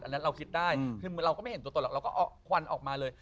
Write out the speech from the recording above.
อันนั้นเราคิดได้คือเราก็ไม่เห็นตัวแล้วก็เอาควันออกมาเลย